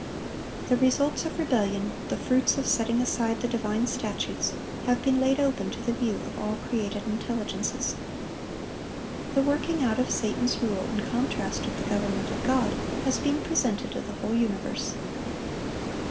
The results of rebellion, the fruits of setting aside the divine statutes, have been laid open to the view of all created intelligences. The working out of Satan's rule in contrast with the government of God, has been presented to the whole universe.